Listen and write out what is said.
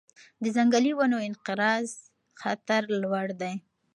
د ځنګلي ونو انقراض خطر لوړ دی.